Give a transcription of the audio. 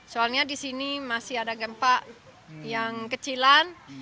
soalnya di sini masih ada gempa yang kecilan